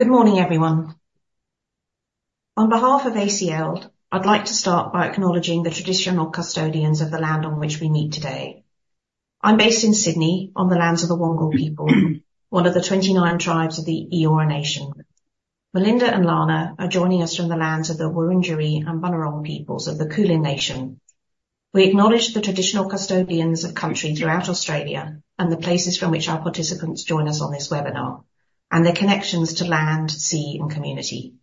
Good morning, everyone. On behalf of ACL, I'd like to start by acknowledging the traditional custodians of the land on which we meet today. I'm based in Sydney, on the lands of the Wangal people, one of the 29 tribes of the Eora Nation. Melinda and Lana are joining us from the lands of the Wurundjeri and Bunurong peoples of the Kulin Nation. We acknowledge the traditional custodians of country throughout Australia, and the places from which our participants join us on this webinar, and their connections to land, sea, and community.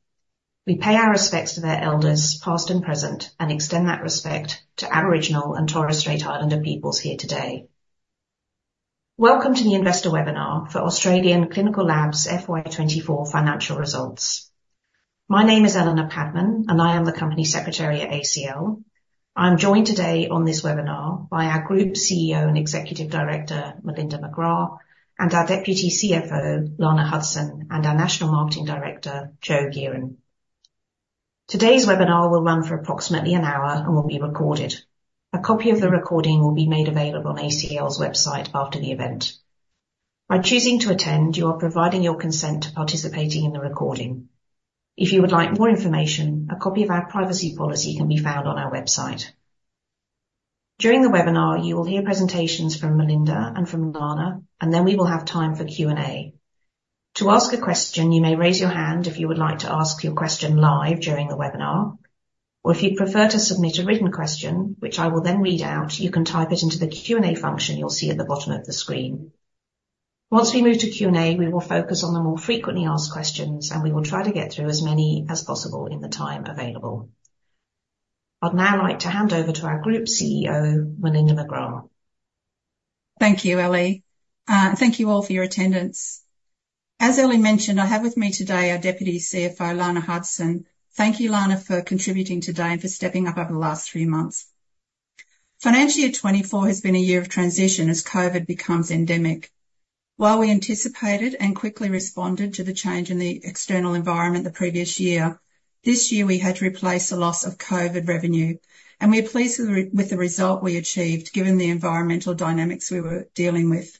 We pay our respects to their elders, past and present, and extend that respect to Aboriginal and Torres Strait Islander peoples here today. Welcome to the investor webinar for Australian Clinical Labs FY 2024 financial results. My name is Eleanor Padman, and I am the Company Secretary at ACL. I'm joined today on this webinar by our Group CEO and Executive Director, Melinda McGrath, and our Deputy CFO, Lana Hudson, and our National Marketing Director, Jo Gearen. Today's webinar will run for approximately an hour and will be recorded. A copy of the recording will be made available on ACL's website after the event. By choosing to attend, you are providing your consent to participating in the recording. If you would like more information, a copy of our privacy policy can be found on our website. During the webinar, you will hear presentations from Melinda and from Lana, and then we will have time for Q&A. To ask a question, you may raise your hand if you would like to ask your question live during the webinar, or if you'd prefer to submit a written question, which I will then read out, you can type it into the Q&A function you'll see at the bottom of the screen. Once we move to Q&A, we will focus on the more frequently asked questions, and we will try to get through as many as possible in the time available. I'd now like to hand over to our Group CEO, Melinda McGrath. Thank you, Ellie. Thank you all for your attendance. As Ellie mentioned, I have with me today our Deputy CFO, Lana Hudson. Thank you, Lana, for contributing today and for stepping up over the last three months. Financial year 2024 has been a year of transition as COVID becomes endemic. While we anticipated and quickly responded to the change in the external environment the previous year, this year we had to replace the loss of COVID revenue, and we are pleased with the result we achieved, given the environmental dynamics we were dealing with.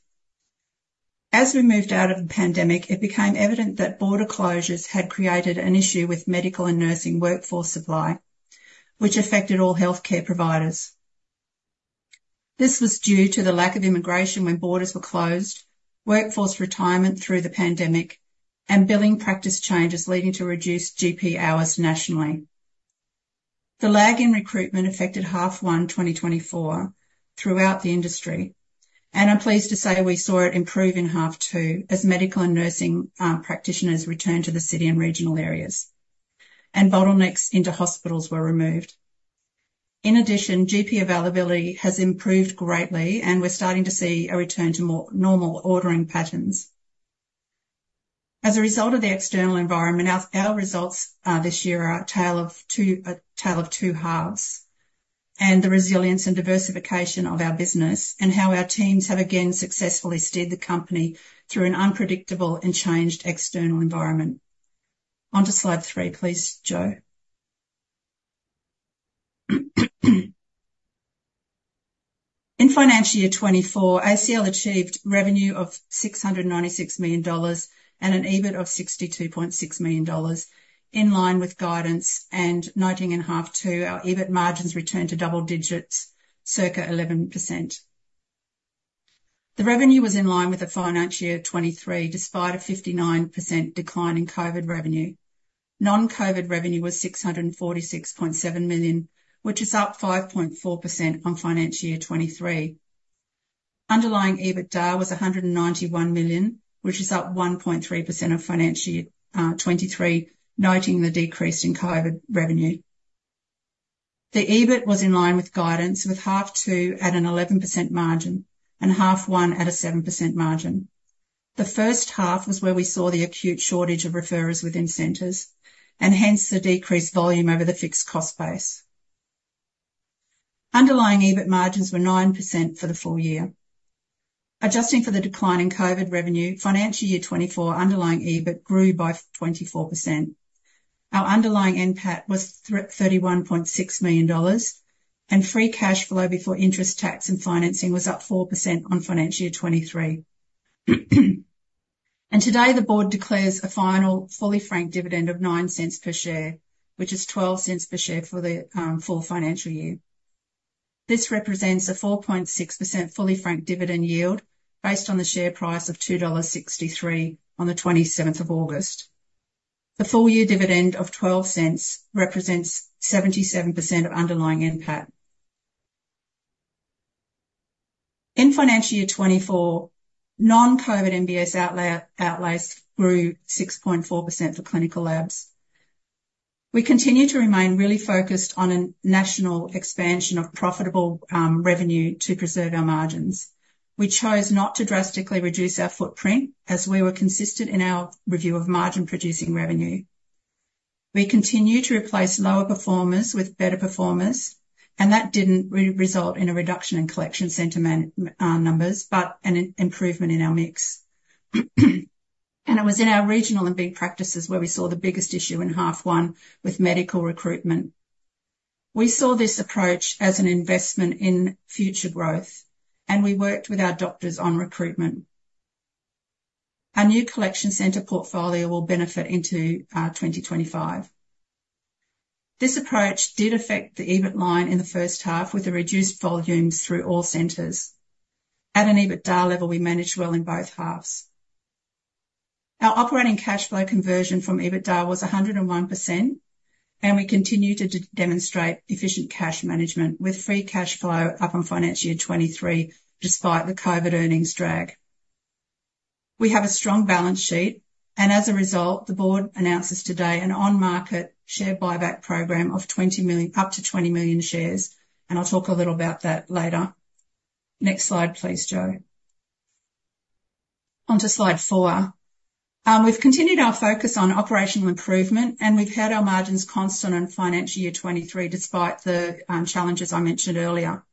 As we moved out of the pandemic, it became evident that border closures had created an issue with medical and nursing workforce supply, which affected all healthcare providers. This was due to the lack of immigration when borders were closed, workforce retirement through the pandemic, and billing practice changes, leading to reduced GP hours nationally. The lag in recruitment affected half one 2024 throughout the industry, and I'm pleased to say we saw it improve in half two as medical and nursing practitioners returned to the city and regional areas, and bottlenecks into hospitals were removed. In addition, GP availability has improved greatly, and we're starting to see a return to more normal ordering patterns. As a result of the external environment, our results this year are a tale of two halves, and the resilience and diversification of our business, and how our teams have again successfully steered the company through an unpredictable and changed external environment. On to slide three, please, Jo. In financial year 2024, ACL achieved revenue of 696 million dollars and an EBIT of 62.6 million dollars, in line with guidance, and noting in half two, our EBIT margins returned to double digits, circa 11%. The revenue was in line with the financial year 2023, despite a 59% decline in COVID revenue. Non-COVID revenue was 646.7 million, which is up 5.4% on financial year 2023. Underlying EBITDA was 191 million, which is up 1.3% of financial year 2023, noting the decrease in COVID revenue. The EBIT was in line with guidance, with half two at an 11% margin and half one at a 7% margin. The first half was where we saw the acute shortage of referrers within centers, and hence the decreased volume over the fixed cost base. Underlying EBIT margins were 9% for the full year. Adjusting for the decline in COVID revenue, financial year 2024 underlying EBIT grew by 24%. Our underlying NPAT was $3.6 million, and free cash flow before interest, tax, and financing was up 4% on financial year 2023. And today, the board declares a final fully franked dividend of 0.09 per share, which is 0.12 per share for the full financial year. This represents a 4.6% fully franked dividend yield based on the share price of 2.63 dollars on the 27th August. The full-year dividend of 0.12 represents 77% of underlying NPAT. In financial year 2024, non-COVID MBS outlays grew 6.4% for Clinical Labs. We continue to remain really focused on a national expansion of profitable revenue to preserve our margins. We chose not to drastically reduce our footprint, as we were consistent in our review of margin-producing revenue. We continued to replace lower performers with better performers, and that didn't result in a reduction in collection center numbers, but an improvement in our mix. It was in our regional and big practices where we saw the biggest issue in half one with medical recruitment. We saw this approach as an investment in future growth, and we worked with our doctors on recruitment. Our new collection center portfolio will benefit into 2025. This approach did affect the EBIT line in the first half, with the reduced volumes through all centers. At an EBITDA level, we managed well in both halves. Our operating cash flow conversion from EBITDA was 101%, and we continue to demonstrate efficient cash management, with free cash flow up on financial year 2023, despite the COVID earnings drag. We have a strong balance sheet, and as a result, the board announces today an on-market share buyback program of 20 million, up to 20 million shares, and I'll talk a little about that later. Next slide, please, Jo. On to slide four. We've continued our focus on operational improvement, and we've had our margins constant in financial year 2023, despite the challenges I mentioned earlier.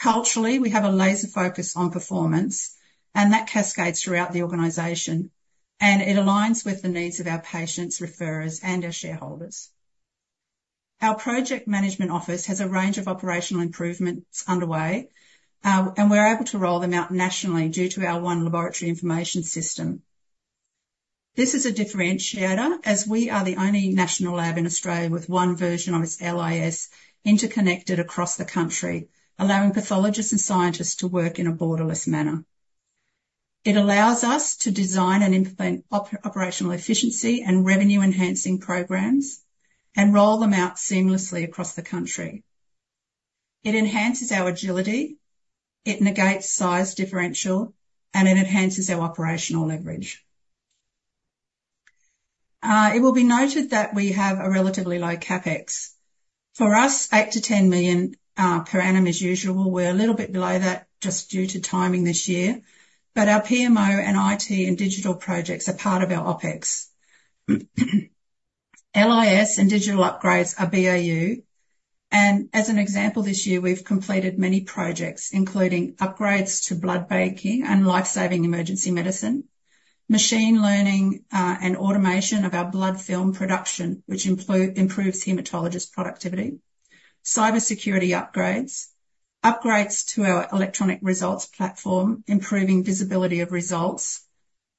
Culturally, we have a laser focus on performance, and that cascades throughout the organization, and it aligns with the needs of our patients, referrers, and our shareholders. Our project management office has a range of operational improvements underway, and we're able to roll them out nationally due to our one laboratory information system. This is a differentiator, as we are the only national lab in Australia with one version of its LIS interconnected across the country, allowing pathologists and scientists to work in a borderless manner. It allows us to design and implement operational efficiency and revenue-enhancing programs and roll them out seamlessly across the country. It enhances our agility, it negates size differential, and it enhances our operational leverage. It will be noted that we have a relatively low CapEx. For us, 8 million-10 million per annum as usual. We're a little bit below that just due to timing this year. But our PMO, and IT, and digital projects are part of our OpEx. LIS and digital upgrades are BAU, and as an example, this year, we've completed many projects, including upgrades to blood banking and life-saving emergency medicine, machine learning, and automation of our blood film production, which improves hematologist productivity, cybersecurity upgrades, upgrades to our electronic results platform, improving visibility of results,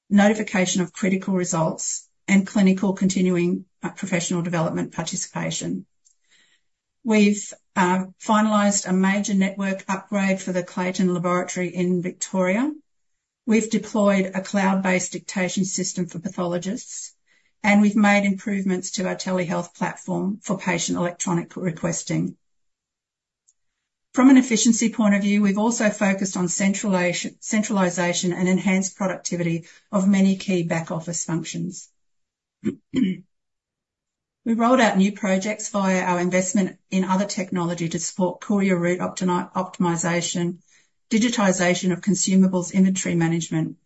notification of critical results, and clinical continuing professional development participation. We've finalized a major network upgrade for the Clayton Laboratory in Victoria. We've deployed a cloud-based dictation system for pathologists, and we've made improvements to our telehealth platform for patient electronic requesting. From an efficiency point of view, we've also focused on centralization and enhanced productivity of many key back-office functions. We rolled out new projects via our investment in other technology to support courier route optimization, digitization of consumables, inventory management,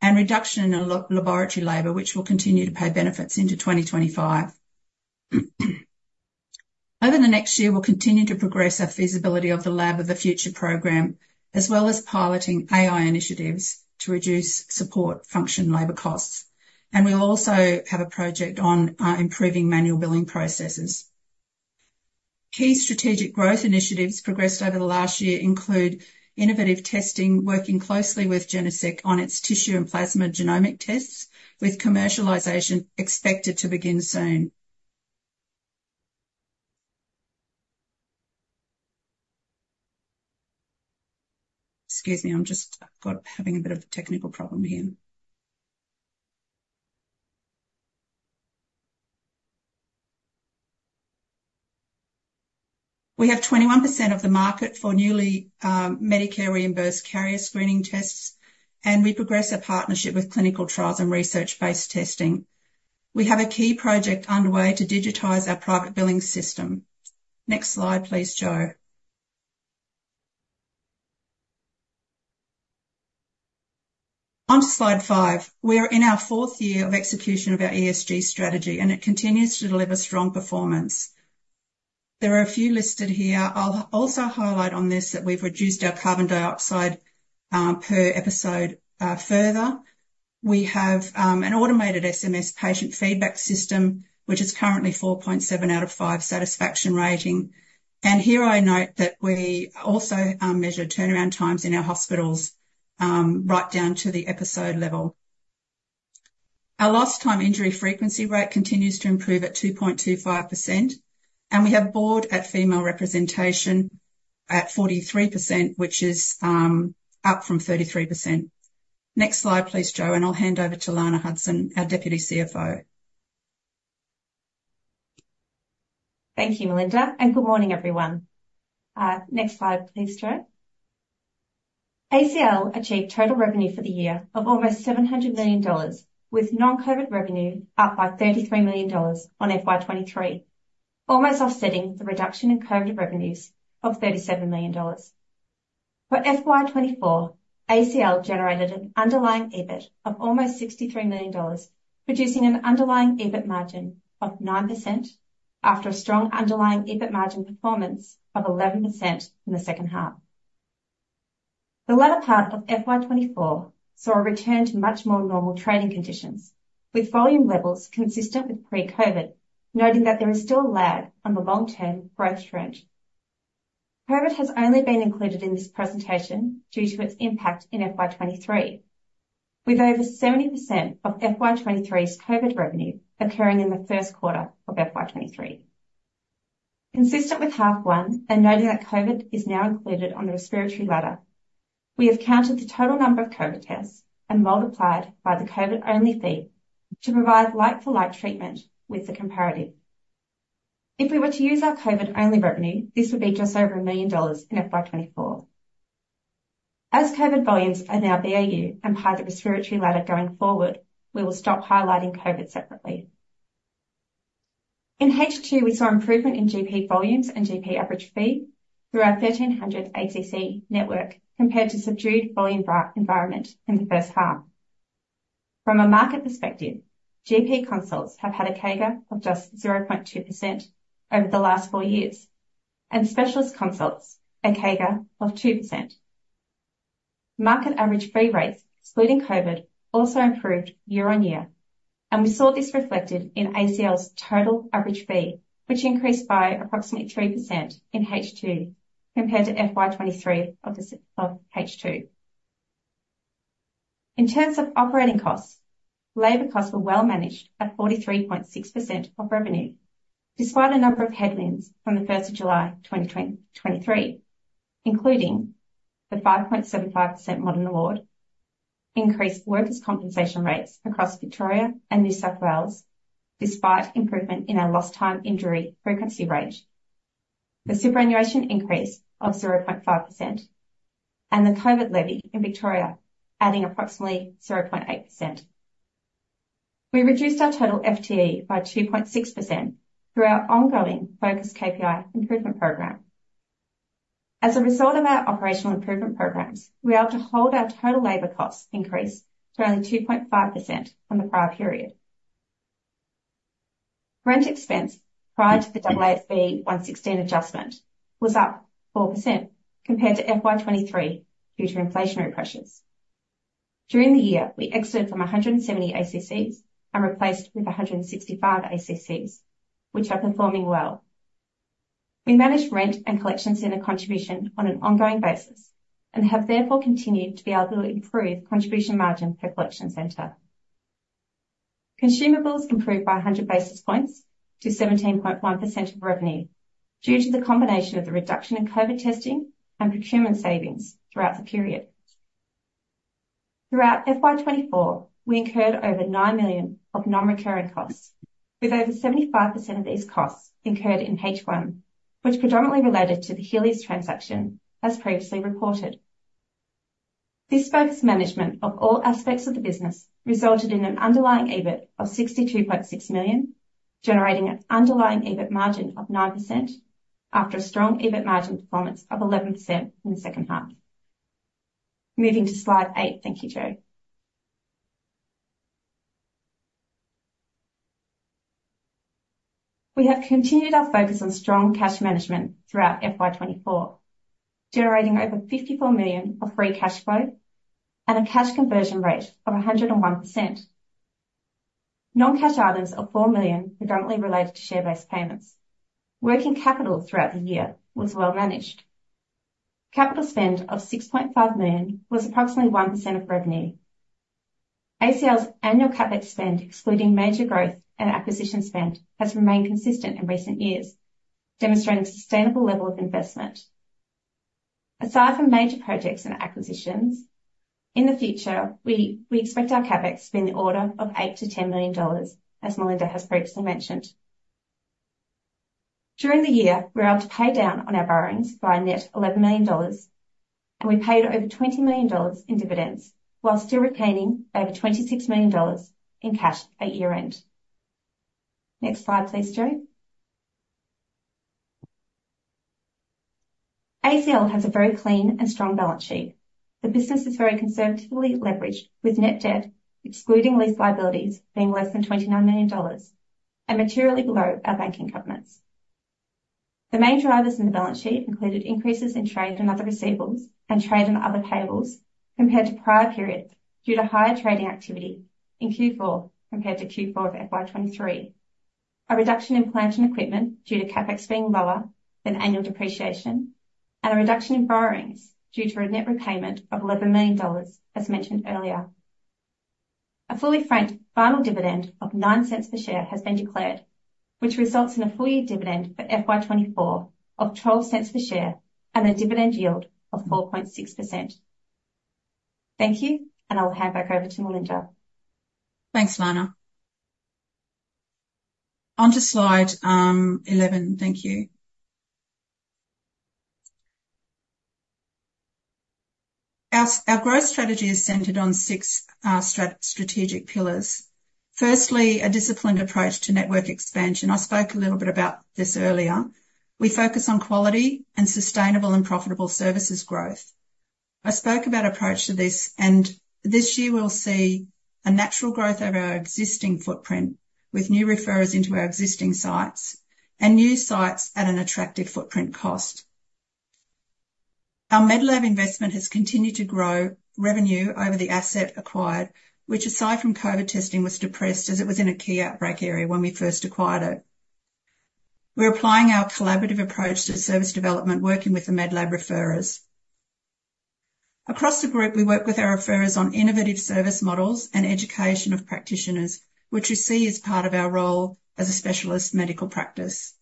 and reduction in laboratory labor, which will continue to pay benefits into 2025. Over the next year, we'll continue to progress our feasibility of the Lab of the Future program, as well as piloting AI initiatives to reduce support function labor costs. And we'll also have a project on improving manual billing processes. Key strategic growth initiatives progressed over the last year include innovative testing, working closely with GeneSeq on its tissue and plasma genomic tests, with commercialization expected to begin soon. Excuse me, I'm just having a bit of a technical problem here. We have 21% of the market for newly Medicare reimbursed carrier screening tests, and we progress a partnership with clinical trials and research-based testing. We have a key project underway to digitize our private billing system. Next slide, please, Jo. On to slide five. We are in our fourth year of execution of our ESG strategy, and it continues to deliver strong performance. There are a few listed here. I'll also highlight on this that we've reduced our carbon dioxide per episode further. We have an automated SMS patient feedback system, which is currently 4.7 out of 5 satisfaction rating, and here I note that we also measure turnaround times in our hospitals right down to the episode level. Our lost time injury frequency rate continues to improve at 2.25%, and we have board female representation at 43%, which is up from 33%. Next slide, please, Jo, and I'll hand over to Lana Hudson, our Deputy CFO. Thank you, Melinda, and good morning, everyone. Next slide, please, Jo. ACL achieved total revenue for the year of almost 700 million dollars, with non-COVID revenue up by 33 million dollars on FY 2023, almost offsetting the reduction in COVID revenues of 37 million dollars. For FY 2024, ACL generated an underlying EBIT of almost 63 million dollars, producing an underlying EBIT margin of 9% after a strong underlying EBIT margin performance of 11% in the second half. The latter part of FY 2024 saw a return to much more normal trading conditions, with volume levels consistent with pre-COVID, noting that there is still a lag on the long-term growth trend. COVID has only been included in this presentation due to its impact in FY 2023, with over 70% of FY 2023's COVID revenue occurring in the first quarter of FY 2023. Consistent with half one, and noting that COVID is now included on the Respiratory Ladder, we have counted the total number of COVID tests and multiplied by the COVID-only fee to provide like-for-like treatment with the comparative. If we were to use our COVID-only revenue, this would be just over 1 million dollars in FY 2024. As COVID volumes are now BAU and part of the Respiratory Ladder going forward, we will stop highlighting COVID separately. In H2, we saw improvement in GP volumes and GP average fee through our 1,300 ACC network, compared to subdued volume-poor environment in the first half. From a market perspective, GP consults have had a CAGR of just 0.2% over the last four years, and specialist consults a CAGR of 2%. Market average fee rates, excluding COVID, also improved year-on-year, and we saw this reflected in ACL's total average fee, which increased by approximately 3% in H2 compared to H2 of FY 2023. In terms of operating costs, labor costs were well managed at 43.6% of revenue, despite a number of headwinds on July 1, 2023, including the 5.75% modern award, increased workers' compensation rates across Victoria and New South Wales, despite improvement in our lost time injury frequency rate, the superannuation increase of 0.5%, and the COVID levy in Victoria, adding approximately 0.8%. We reduced our total FTE by 2.6% through our ongoing focused KPI improvement program. As a result of our operational improvement programs, we were able to hold our total labor costs increase to only 2.5% from the prior period. Rent expense prior to the AASB 116 adjustment was up 4% compared to FY 2023 due to inflationary pressures. During the year, we exited 170 ACCs and replaced with 165 ACCs, which are performing well. We managed rent and collection center contribution on an ongoing basis and have therefore continued to be able to improve contribution margin per collection center. Consumables improved by 100 basis points to 17.1% of revenue, due to the combination of the reduction in COVID testing and procurement savings throughout the period. Throughout FY 2024, we incurred over 9 million of non-recurring costs, with over 75% of these costs incurred in H1, which predominantly related to the Healius transaction, as previously reported. This focused management of all aspects of the business resulted in an underlying EBIT of 62.6 million, generating an underlying EBIT margin of 9% after a strong EBIT margin performance of 11% in the second half. Moving to slide eight. Thank you, Jo. We have continued our focus on strong cash management throughout FY 2024, generating over 54 million of free cash flow and a cash conversion rate of 101%. Non-cash items of 4 million predominantly related to share-based payments. Working capital throughout the year was well managed. Capital spend of 6.5 million was approximately 1% of revenue. ACL's annual CapEx spend, excluding major growth and acquisition spend, has remained consistent in recent years, demonstrating a sustainable level of investment. Aside from major projects and acquisitions, in the future, we expect our CapEx to be in the order of 8 million-10 million dollars, as Melinda has previously mentioned. During the year, we were able to pay down on our borrowings by a net 11 million dollars, and we paid over 20 million dollars in dividends, while still retaining over 26 million dollars in cash at year-end. Next slide, please, Jo. ACL has a very clean and strong balance sheet. The business is very conservatively leveraged, with net debt excluding lease liabilities, being less than 29 million dollars and materially below our banking covenants. The main drivers in the balance sheet included increases in trade and other receivables and trade and other payables compared to prior periods due to higher trading activity in Q4 compared to Q4 of FY 2023. A reduction in plant and equipment due to CapEx being lower than annual depreciation, and a reduction in borrowings due to a net repayment of AUD 11 million, as mentioned earlier. A fully franked final dividend of 0.09 per share has been declared, which results in a full year dividend for FY 2024 of 0.12 per share and a dividend yield of 4.6%. Thank you, and I'll hand back over to Melinda. Thanks, Lana. On to slide 11. Thank you. Our growth strategy is centered on six strategic pillars. Firstly, a disciplined approach to network expansion. I spoke a little bit about this earlier. We focus on quality and sustainable and profitable services growth. I spoke about approach to this, and this year, we'll see a natural growth of our existing footprint, with new referrers into our existing sites and new sites at an attractive footprint cost. Our Medlab investment has continued to grow revenue over the asset acquired, which, aside from COVID testing, was depressed as it was in a key outbreak area when we first acquired it. We're applying our collaborative approach to service development, working with the Medlab referrers. Across the group, we work with our referrers on innovative service models and education of practitioners, which we see as part of our role as a specialist medical practice.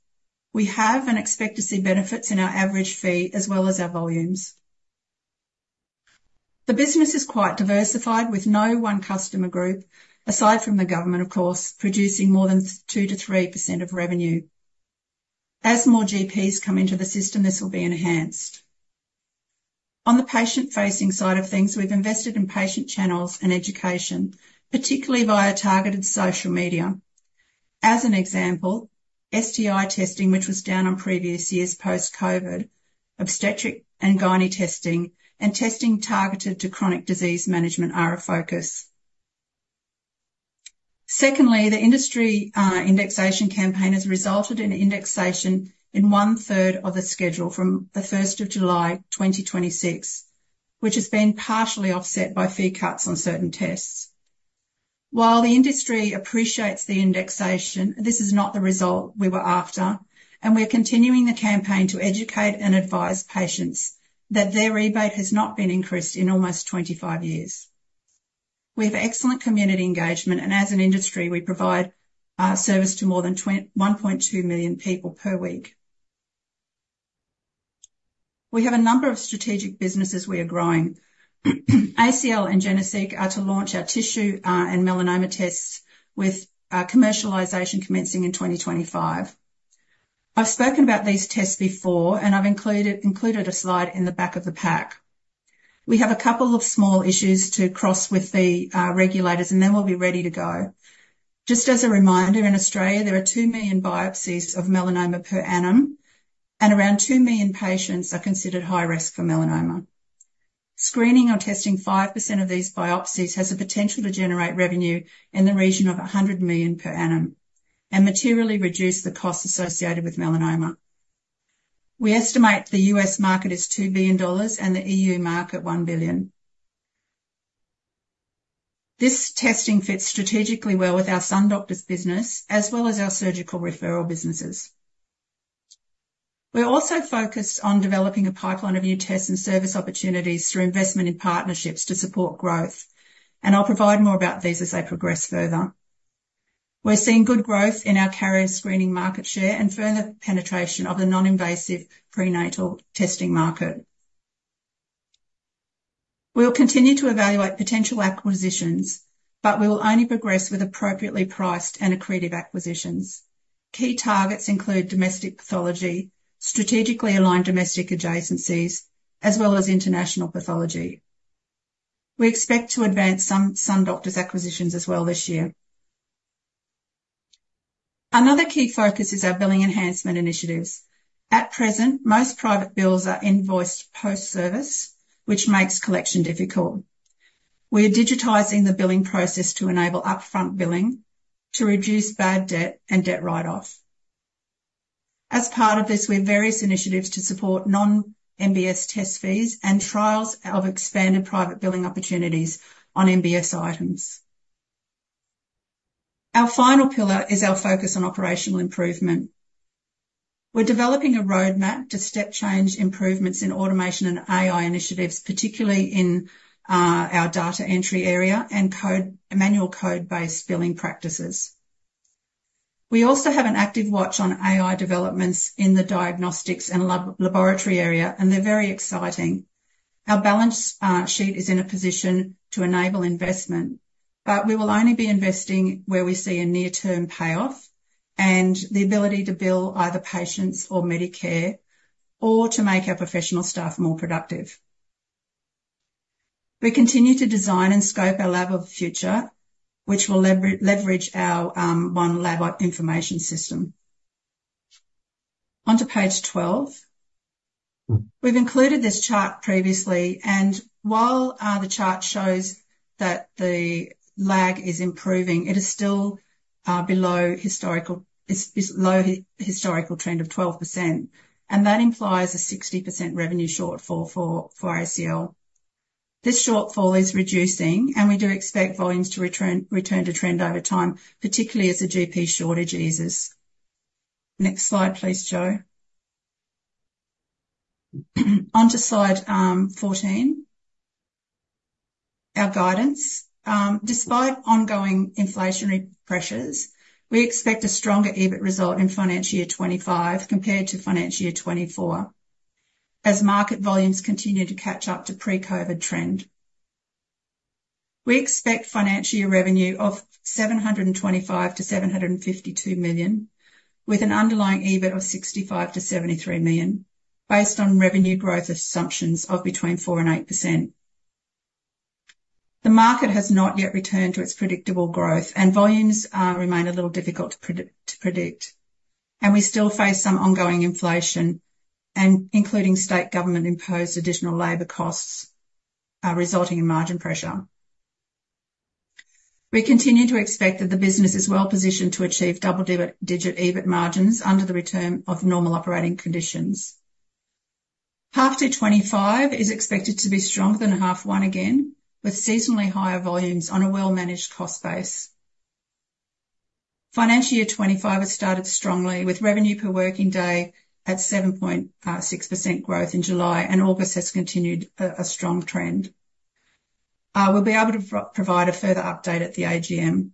We have and expect to see benefits in our average fee as well as our volumes. The business is quite diversified, with no one customer group, aside from the government, of course, producing more than 2%-3% of revenue. As more GPs come into the system, this will be enhanced. On the patient-facing side of things, we've invested in patient channels and education, particularly via targeted social media. As an example, STI testing, which was down on previous years post-COVID, obstetric and gynae testing, and testing targeted to chronic disease management are a focus. Secondly, the industry indexation campaign has resulted in indexation in 1/3 of the schedule from the first of July 2026, which has been partially offset by fee cuts on certain tests. While the industry appreciates the indexation, this is not the result we were after, and we're continuing the campaign to educate and advise patients that their rebate has not been increased in almost 25 years. We have excellent community engagement, and as an industry, we provide service to more than 1.2 million people per week. We have a number of strategic businesses we are growing. ACL and Genosec are to launch our tissue and melanoma tests, with commercialization commencing in 2025. I've spoken about these tests before, and I've included a slide in the back of the pack. We have a couple of small issues to cross with the regulators, and then we'll be ready to go. Just as a reminder, in Australia, there are 2 million biopsies of melanoma per annum, and around 2 million patients are considered high risk for melanoma. Screening or testing 5% of these biopsies has the potential to generate revenue in the region of 100 million per annum and materially reduce the costs associated with melanoma. We estimate the U.S. market is $2 billion and the EU market $1 billion. This testing fits strategically well with our SunDoctors business as well as our surgical referral businesses. We're also focused on developing a pipeline of new tests and service opportunities through investment in partnerships to support growth, and I'll provide more about these as they progress further. We're seeing good growth in our carrier screening market share and further penetration of the non-invasive prenatal testing market. We'll continue to evaluate potential acquisitions, but we will only progress with appropriately priced and accretive acquisitions. Key targets include domestic pathology, strategically aligned domestic adjacencies, as well as international pathology. We expect to advance some SunDoctors acquisitions as well this year. Another key focus is our billing enhancement initiatives. At present, most private bills are invoiced post-service, which makes collection difficult. We are digitizing the billing process to enable upfront billing to reduce bad debt and debt write-off. As part of this, we have various initiatives to support non-MBS test fees and trials of expanded private billing opportunities on MBS items. Our final pillar is our focus on operational improvement. We're developing a roadmap to step change improvements in automation and AI initiatives, particularly in our data entry area and code, manual code-based billing practices. We also have an active watch on AI developments in the diagnostics and laboratory area, and they're very exciting. Our balance sheet is in a position to enable investment, but we will only be investing where we see a near-term payoff and the ability to bill either patients or Medicare, or to make our professional staff more productive. We continue to design and scope our lab of the future, which will leverage our one lab information system. Onto page 12. We've included this chart previously, and while the chart shows that the lag is improving, it is still below its low historical trend of 12%, and that implies a 60% revenue shortfall for ACL. This shortfall is reducing, and we do expect volumes to return to trend over time, particularly as the GP shortage eases. Next slide, please, Jo. Onto slide 14, our guidance. Despite ongoing inflationary pressures, we expect a stronger EBIT result in financial year 2025 compared to financial year 2024, as market volumes continue to catch up to pre-COVID trend. We expect financial year revenue of 725 million-752 million, with an underlying EBIT of 65 million-73 million, based on revenue growth assumptions of between 4% and 8%. The market has not yet returned to its predictable growth, and volumes remain a little difficult to predict, and we still face some ongoing inflation, and including state government-imposed additional labor costs, resulting in margin pressure. We continue to expect that the business is well positioned to achieve double-digit EBIT margins under the return of normal operating conditions. Half two 2025 is expected to be stronger than half one again, with seasonally higher volumes on a well-managed cost base. Financial year 2025 has started strongly, with revenue per working day at 7.6% growth in July, and August has continued a strong trend. We'll be able to provide a further update at the AGM.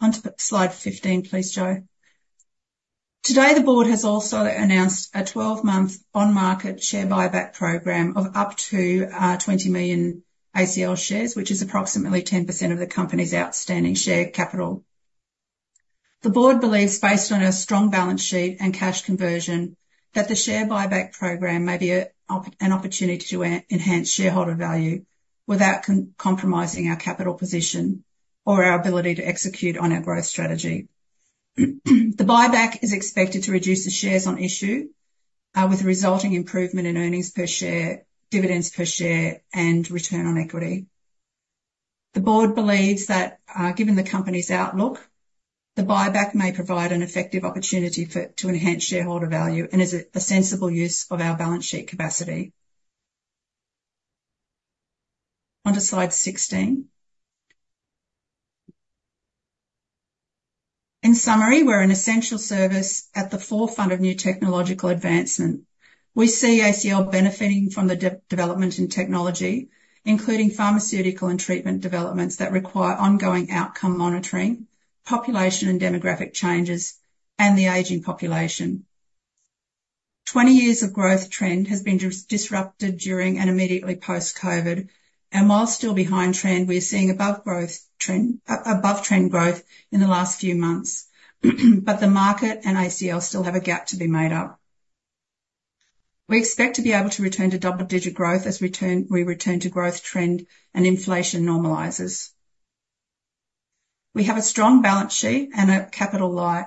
On to slide 15, please, Jo. Today, the board has also announced a 12 month on-market share buyback program of up to 20 million ACL shares, which is approximately 10% of the company's outstanding share capital. The board believes, based on a strong balance sheet and cash conversion, that the share buyback program may be an opportunity to enhance shareholder value without compromising our capital position or our ability to execute on our growth strategy. The buyback is expected to reduce the shares on issue with a resulting improvement in earnings per share, dividends per share, and return on equity. The board believes that, given the company's outlook, the buyback may provide an effective opportunity to enhance shareholder value and is a sensible use of our balance sheet capacity. On to slide 16. In summary, we're an essential service at the forefront of new technological advancement. We see ACL benefiting from the development in technology, including pharmaceutical and treatment developments that require ongoing outcome monitoring, population and demographic changes, and the aging population. 20 years of growth trend has been disrupted during and immediately post-COVID, and while still behind trend, we're seeing above trend growth in the last few months. But the market and ACL still have a gap to be made up. We expect to be able to return to double-digit growth as we return to growth trend and inflation normalizes. We have a strong balance sheet and are capital light.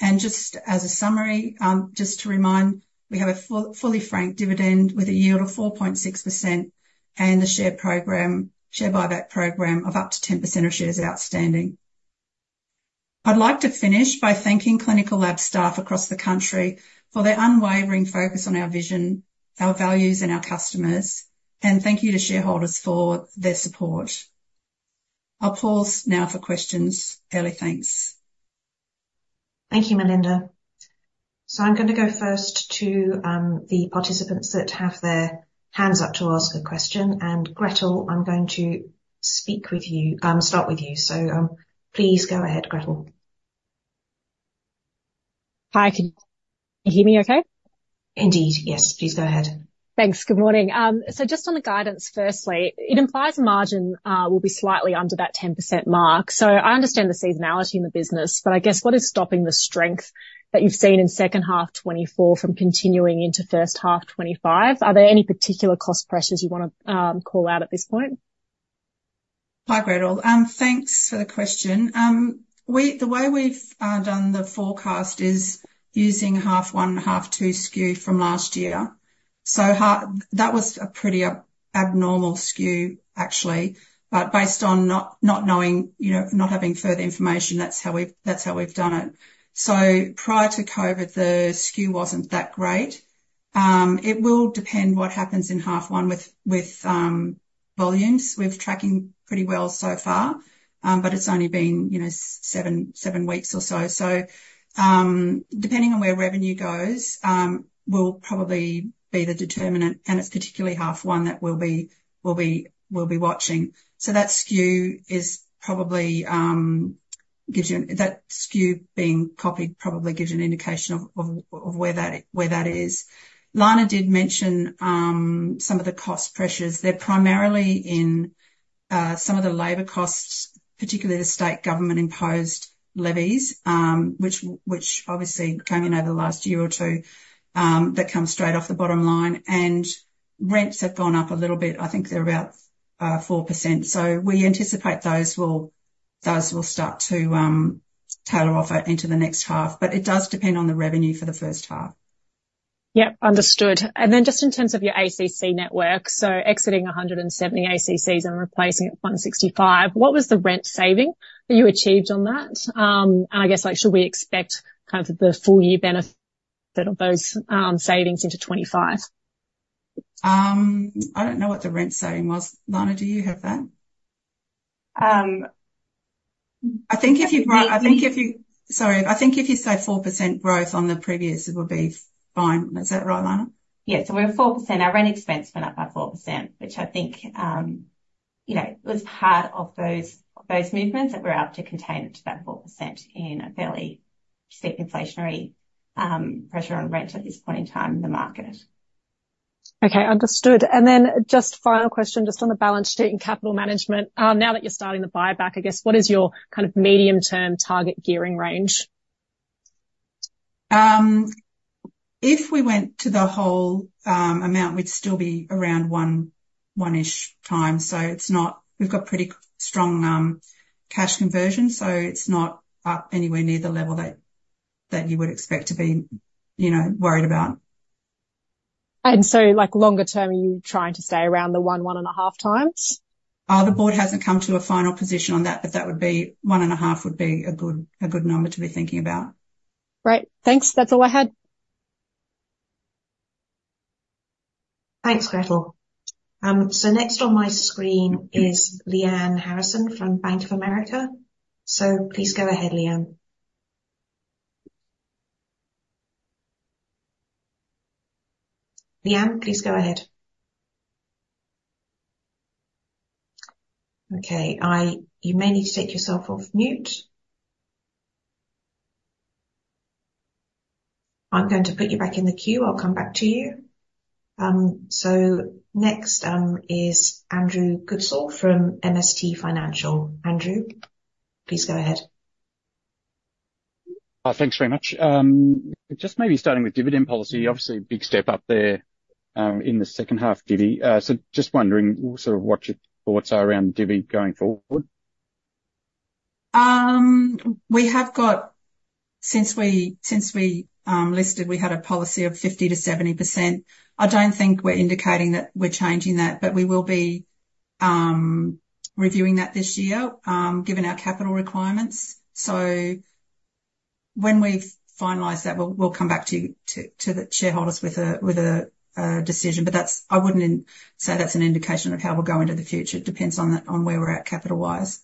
Just as a summary, to remind, we have a fully franked dividend with a yield of 4.6% and the share buyback program of up to 10% of shares outstanding. I'd like to finish by thanking clinical lab staff across the country for their unwavering focus on our vision, our values, and our customers. Thank you to shareholders for their support. I'll pause now for questions. Early thanks. Thank you, Melinda. So I'm gonna go first to the participants that have their hands up to ask a question. And, Gretel, I'm going to speak with you, start with you. So, please go ahead, Gretel. Hi, can you hear me okay? Indeed, yes. Please go ahead. Thanks. Good morning. So just on the guidance, firstly, it implies the margin will be slightly under that 10% mark. So I understand the seasonality in the business, but I guess, what is stopping the strength that you've seen in second half 2024 from continuing into first half 2025? Are there any particular cost pressures you wanna call out at this point? Hi, Gretel, thanks for the question. The way we've done the forecast is using half one, half two skew from last year. So that was a pretty abnormal skew, actually. But based on not knowing, you know, not having further information, that's how we've done it. So prior to COVID, the skew wasn't that great. It will depend what happens in half one with volumes. We're tracking pretty well so far, but it's only been, you know, seven weeks or so. So, depending on where revenue goes, will probably be the determinant, and it's particularly half one that we'll be watching. So that skew being copied probably gives you an indication of where that is. Lana did mention some of the cost pressures. They're primarily in some of the labor costs, particularly the state government-imposed levies, which obviously came in over the last year or two, that come straight off the bottom line. And rents have gone up a little bit. I think they're about 4%. So we anticipate those will start to taper off into the next half, but it does depend on the revenue for the first half. Yep, understood. And then just in terms of your ACC network, so exiting 170 ACCs and replacing it with 165, what was the rent saving that you achieved on that? And I guess, like, should we expect kind of the full year benefit of those savings into 2025? I don't know what the rent saving was. Lana, do you have that? I think if you say 4% growth on the previous, it would be fine. Is that right, Lana? Yeah. So we're at 4%. Our rent expense went up by 4%, which I think, you know, was part of those movements, that we're able to contain it to that 4% in a fairly steep inflationary pressure on rent at this point in time in the market. Okay, understood. And then just final question, just on the balance sheet and capital management. Now that you're starting the buyback, I guess what is your kind of medium-term target gearing range? If we went to the whole amount, we'd still be around one, one-ish time. So it's not. We've got pretty strong cash conversion, so it's not up anywhere near the level that you would expect to be, you know, worried about. And so, like, longer term, are you trying to stay around the one, one and a half times? The board hasn't come to a final position on that, but that would be, 1 and 1/2 would be a good number to be thinking about. Great. Thanks. That's all I had. Thanks, Gretel. So next on my screen is Lyanne Harrison from Bank of America. So please go ahead, Leanne. Leanne, please go ahead. Okay, you may need to take yourself off mute. I'm going to put you back in the queue. I'll come back to you. So next is Andrew Goodsall from MST Financial. Andrew, please go ahead. Thanks very much. Just maybe starting with dividend policy, obviously a big step up there in the second half divvy. So just wondering sort of what your thoughts are around divvy going forward. We have got, since we listed, we had a policy of 50%-70%. I don't think we're indicating that we're changing that, but we will be reviewing that this year, given our capital requirements. So when we've finalized that, we'll come back to you, to the shareholders with a decision. But that's, I wouldn't say that's an indication of how we'll go into the future. It depends on where we're at capital-wise.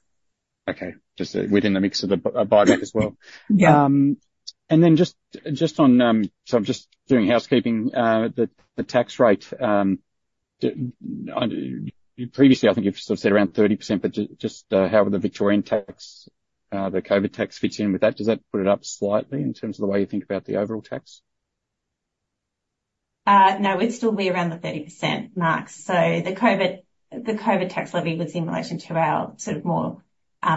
Okay. Just within the mix of a buyback as well. Yeah. And then just on, so I'm just doing housekeeping, the tax rate. Previously, I think you've sort of said around 30%, but just, how the Victorian tax, the COVID tax fits in with that? Does that put it up slightly in terms of the way you think about the overall tax? No, we'd still be around the 30% mark. So the COVID tax levy was in relation to our sort of more,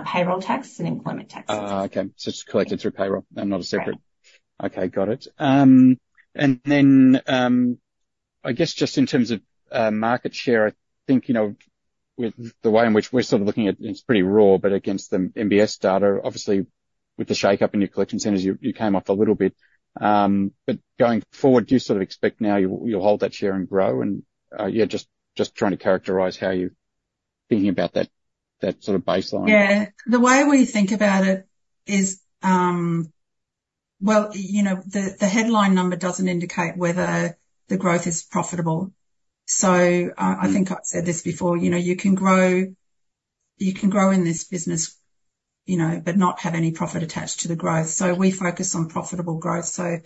payroll tax and employment taxes. Oh, okay, so it's collected through payroll and not a separate. Right. Okay, got it. And then, I guess just in terms of market share, I think, you know, with the way in which we're sort of looking at it, it's pretty raw, but against the MBS data, obviously with the shake-up in your collection centers, you came up a little bit. But going forward, do you sort of expect now you'll hold that share and grow? And yeah, just trying to characterize how you're thinking about that sort of baseline. Yeah. The way we think about it is, well, you know, the headline number doesn't indicate whether the growth is profitable. So, I think I've said this before. You know, you can grow in this business, you know, but not have any profit attached to the growth. So we focus on profitable growth. So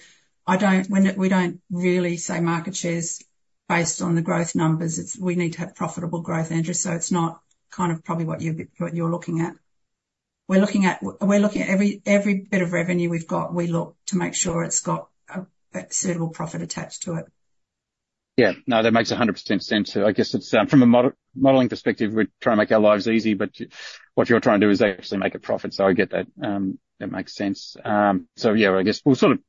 I don't. We don't really say market share is based on the growth numbers. It's, we need to have profitable growth, Andrew, so it's not kind of probably what you're, what you're looking at. We're looking at, we're looking at every, every bit of revenue we've got, we look to make sure it's got a, a suitable profit attached to it. Yeah. No, that makes 100% sense. So I guess it's from a model, modeling perspective, we're trying to make our lives easy, but what you're trying to do is actually make a profit. So I get that. That makes sense. So yeah, I guess we'll sort of,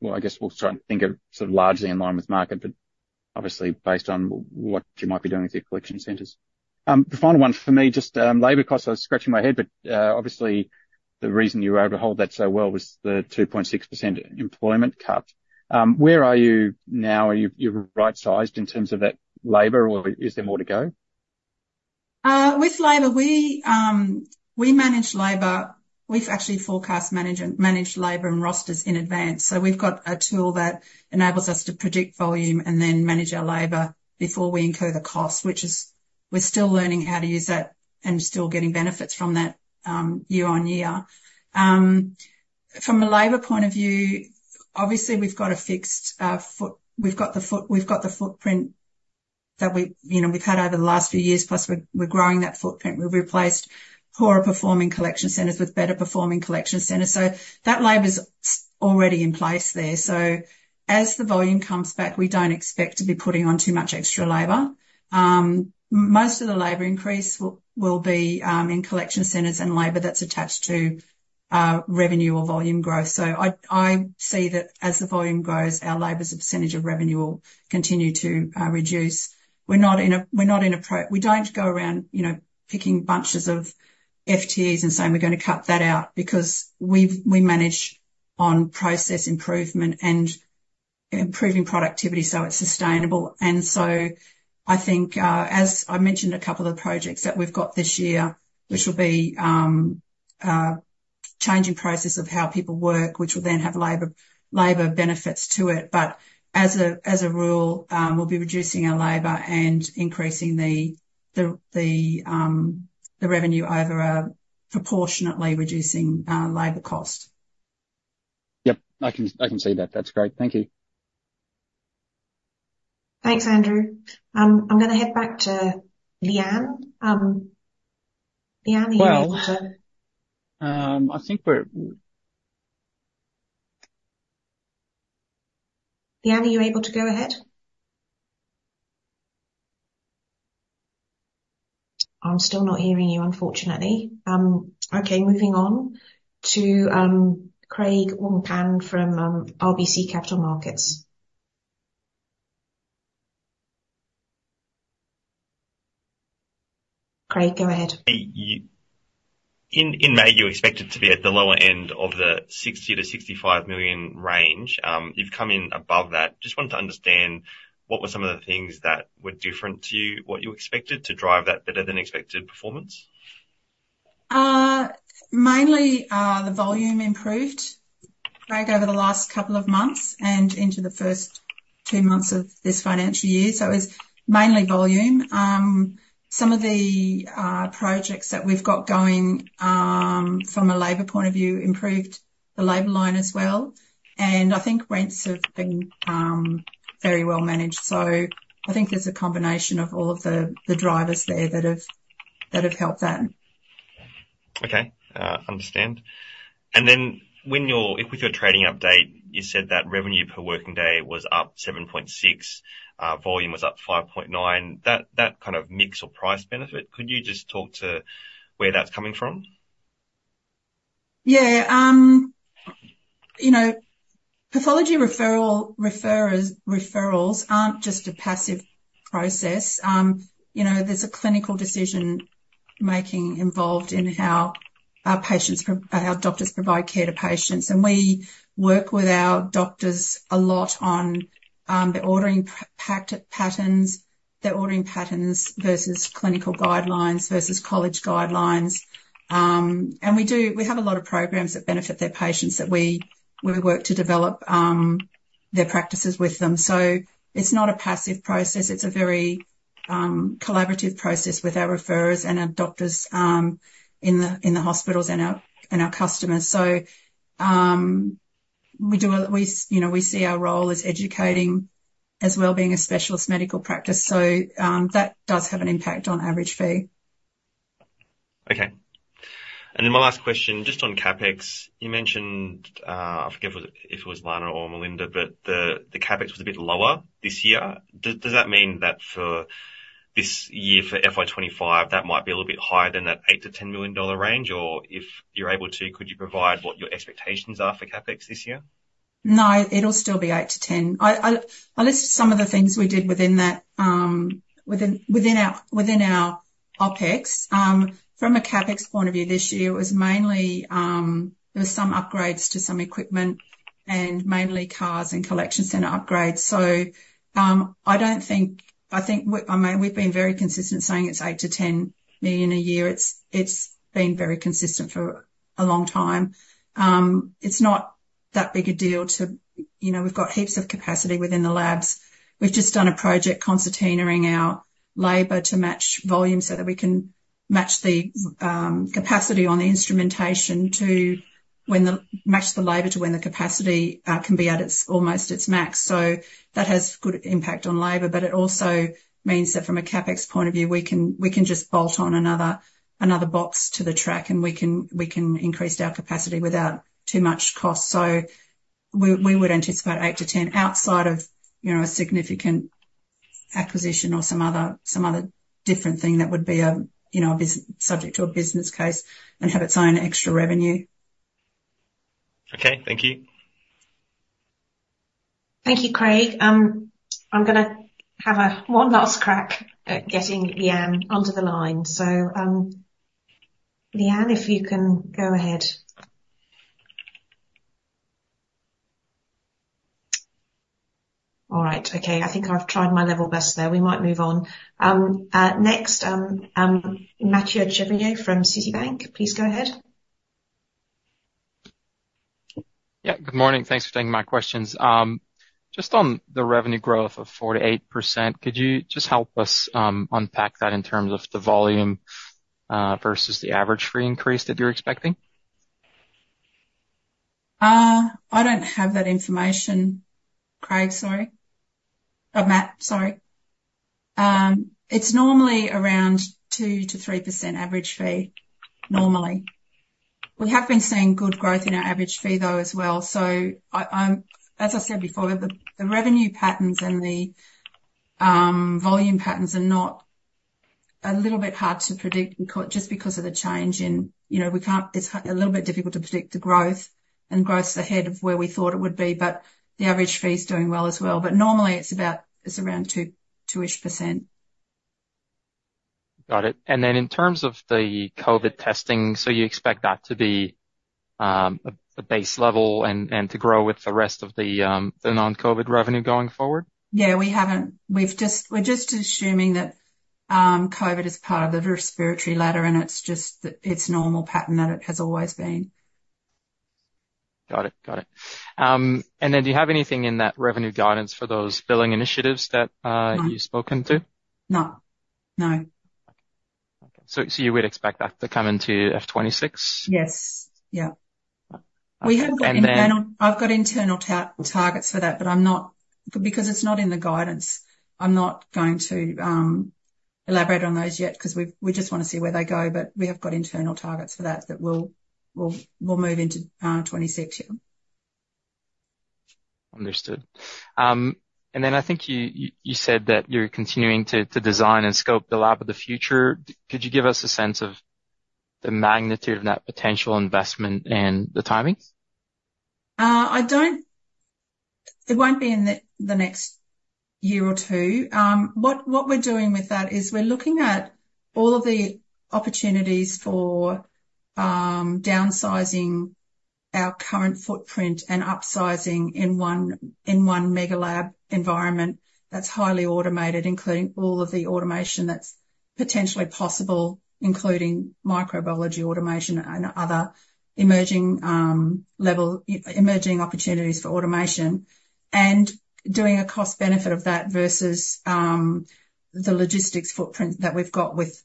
well, I guess we'll try and think of sort of largely in line with market, but obviously based on what you might be doing with your collection centers. The final one for me, just labor costs. I was scratching my head, but obviously the reason you were able to hold that so well was the 2.6% employment cut. Where are you now? Are you, you're right-sized in terms of that labor, or is there more to go? With labor, we manage labor. We've actually forecast and managed labor and rosters in advance. So we've got a tool that enables us to predict volume and then manage our labor before we incur the cost, which is we're still learning how to use that and still getting benefits from that year on year. From a labor point of view, obviously, we've got a fixed footprint that we, you know, we've had over the last few years, plus we're growing that footprint. We've replaced poorer performing collection centers with better performing collection centers. So that labor's already in place there. So as the volume comes back, we don't expect to be putting on too much extra labor. Most of the labor increase will be in collection centers and labor that's attached to revenue or volume growth. So I see that as the volume grows, our labor as a percentage of revenue will continue to reduce. We don't go around, you know, picking bunches of FTEs and saying, "We're going to cut that out," because we manage on process improvement and improving productivity so it's sustainable. And so I think, as I mentioned, a couple of the projects that we've got this year, which will be changing process of how people work, which will then have labor benefits to it, but as a rule, we'll be reducing our labor and increasing the revenue over a proportionately reducing labor cost. Yep, I can see that. That's great. Thank you. Thanks, Andrew. I'm going to head back to Leanne. Leanne, are you able to-Leanne, are you able to go ahead? I'm still not hearing you, unfortunately. Okay, moving on to Craig Wong-Pan from RBC Capital Markets. Craig, go ahead. Hey, you in May, you expected to be at the lower end of the 60 million-65 million range. You've come in above that. Just wanted to understand, what were some of the things that were different to what you expected, to drive that better-than-expected performance? Mainly, the volume improved, Craig, over the last couple of months and into the first two months of this financial year, so it's mainly volume. Some of the projects that we've got going, from a labor point of view, improved the labor line as well, and I think rents have been very well managed. So I think there's a combination of all of the drivers there that have helped that. Okay, understand. And then with your trading update, you said that revenue per working day was up 7.6, volume was up 5.9. That kind of mix or price benefit, could you just talk to where that's coming from? Yeah. You know, pathology referral, referrers, referrals aren't just a passive process. You know, there's a clinical decision-making involved in how doctors provide care to patients. And we work with our doctors a lot on their ordering patterns versus clinical guidelines, versus college guidelines. And we have a lot of programs that benefit their patients that we work to develop their practices with them. So it's not a passive process. It's a very collaborative process with our referrers and our doctors in the hospitals and our customers. So, you know, we see our role as educating as well, being a specialist medical practice. So, that does have an impact on average fee. Okay. And then my last question, just on CapEx. You mentioned, I forget if it was Lana or Melinda, but the CapEx was a bit lower this year. Does that mean that for this year, for FY 2025, that might be a little bit higher than that 8 million-10 million dollar range? Or if you're able to, could you provide what your expectations are for CapEx this year? No, it'll still be eight to 10. I listed some of the things we did within that, within our OpEx. From a CapEx point of view, this year was mainly, there was some upgrades to some equipment and mainly cars and collection center upgrades. So, I don't think. I think, I mean, we've been very consistent saying it's 8 million-10 million a year. It's been very consistent for a long time. It's not that big a deal to, you know, we've got heaps of capacity within the labs. We've just done a project concertinaing our labor to match volume, so that we can match the capacity on the instrumentation to when the match the labor to when the capacity can be at its almost its max. So that has good impact on labor, but it also means that from a CapEx point of view, we can just bolt on another box to the track, and we can increase our capacity without too much cost. So we would anticipate eight to ten outside of, you know, a significant acquisition or some other different thing that would be a, you know, a business subject to a business case and have its own extra revenue. Okay, thank you. Thank you, Craig. I'm gonna have one last crack at getting Leanne onto the line. Leanne, if you can go ahead. All right. Okay, I think I've tried my level best there. We might move on. Next, Mathieu Chevrier from Citibank, please go ahead. Yeah. Good morning. Thanks for taking my questions. Just on the revenue growth of 4%-8%, could you just help us unpack that in terms of the volume versus the average fee increase that you're expecting? I don't have that information, Craig, sorry. Matt, sorry. It's normally around 2-3% average fee, normally. We have been seeing good growth in our average fee, though, as well. So I'm, as I said before, the revenue patterns and the volume patterns are a little bit hard to predict just because of the change in, you know, we can't. It's a little bit difficult to predict the growth, and growth's ahead of where we thought it would be, but the average fee is doing well as well. But normally it's about, it's around 2-ish%. Got it. And then in terms of the COVID testing, so you expect that to be a base level and to grow with the rest of the non-COVID revenue going forward? Yeah, we've just, we're just assuming that COVID is part of the Respiratory Ladder, and it's just that it's normal pattern that it has always been. Got it. Got it. And then do you have anything in that revenue guidance for those billing initiatives that, No. you've spoken to? No. Okay. So you would expect that to come into FY 2026? Yes. Yeah. Okay. And then- We have got internal targets for that, but I'm not, because it's not in the guidance, I'm not going to elaborate on those yet, 'cause we just want to see where they go. But we have got internal targets for that, that we'll move into 2026, yeah. Understood. And then I think you said that you're continuing to design and scope the Lab of the Future. Could you give us a sense of the magnitude of that potential investment and the timings? It won't be in the next year or two. What we're doing with that is we're looking at all of the opportunities for downsizing our current footprint and upsizing in one mega lab environment that's highly automated, including all of the automation that's potentially possible, including microbiology automation, and other emerging level emerging opportunities for automation, and doing a cost benefit of that versus the logistics footprint that we've got with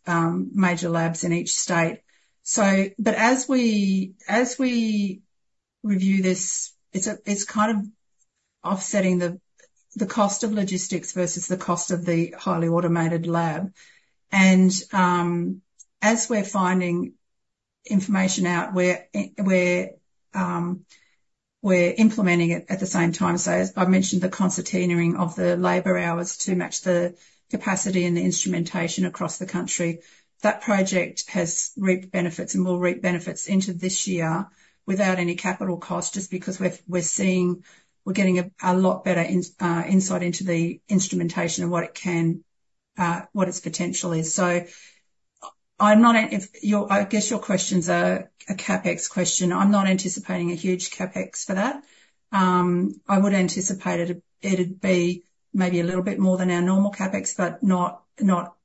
major labs in each state. But as we review this, it's kind of offsetting the cost of logistics versus the cost of the highly automated lab. As we're finding information out, we're implementing it at the same time. As I mentioned, the concertinaing of the labor hours to match the capacity and the instrumentation across the country, that project has reaped benefits and will reap benefits into this year without any capital cost, just because we're seeing. We're getting a lot better insight into the instrumentation and what it can, what its potential is. So I'm not, if you're, I guess your question's a CapEx question. I'm not anticipating a huge CapEx for that. I would anticipate it'd be maybe a little bit more than our normal CapEx, but not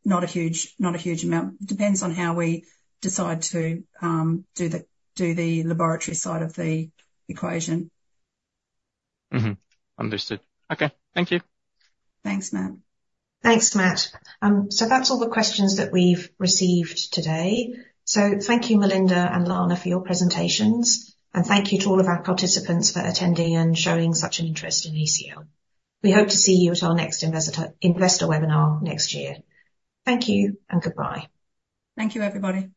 a huge amount. Depends on how we decide to do the laboratory side of the equation. Understood. Okay. Thank you. Thanks, Matt. Thanks, Matt. So that's all the questions that we've received today. So thank you, Melinda and Lana, for your presentations, and thank you to all of our participants for attending and showing such an interest in ACL. We hope to see you at our next investor webinar next year. Thank you and goodbye. Thank you, everybody.